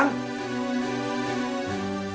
kemana uang sepuluh juta itu